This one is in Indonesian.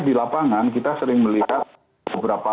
di lapangan kita sering melihat beberapa